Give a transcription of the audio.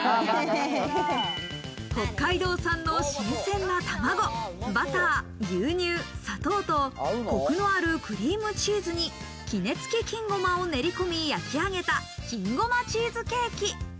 北海道産の新鮮な卵、バター、牛乳、砂糖と、コクのあるクリームチーズに杵つき金胡麻を練り込み焼き上げた金ごまちーずけーき。